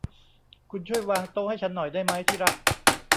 คุณช่วยวางโต๊ะให้ฉันหน่อยได้มั้ย ที่รัก